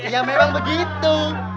ya memang begitu